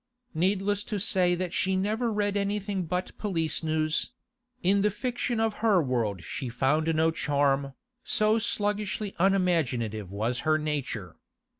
Needless to say that she never read anything but police news; in the fiction of her world she found no charm, so sluggishly unimaginative was her nature.